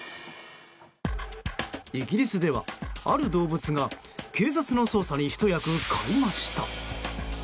イギリスではある動物が警察の捜査にひと役買いました。